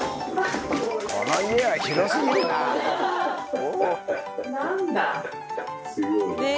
この家は広過ぎるな。